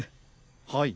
はい。